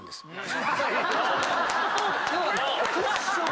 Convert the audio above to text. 要はクッション。